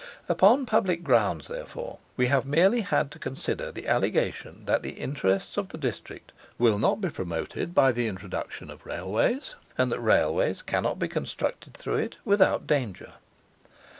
Upon public grounds, therefore, we have merely had to consider the allegation that the interests of the district will not be promoted by the introduction of Railways, and that Railways cannot be constructed through it without danger.